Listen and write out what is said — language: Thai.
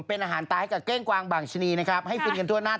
เป็นอาหารตายให้กับเก้งกวางบางชะนีนะครับให้ฟินกันทั่วหน้า